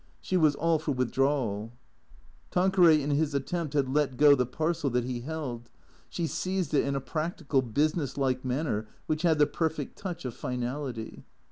She was all for withdrawal. Tanqueray in his attempt had let go the parcel that he held. She seized it in a practical, business like manner which had the perfect touch of finality.